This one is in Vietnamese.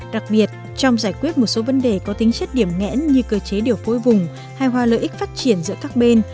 đặc biệt trong giải quyết một số vấn đề có tính chất điểm nghẽn như cơ chế điều phối vùng hài hòa lợi ích phát triển giữa các bên